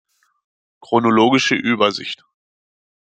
Chronologische Übersicht